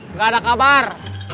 nggak ada kabar